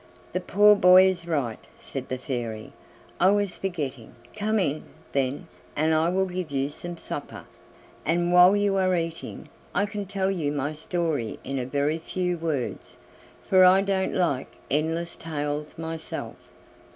"The poor boy is right," said the Fairy; "I was forgetting. Come in, then, and I will give you some supper, and while you are eating I can tell you my story in a very few words for I don't like endless tales myself.